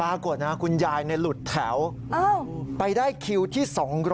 ปรากฏนะครับคุณยายในหลุดแถวไปได้คิวที่๒๐๐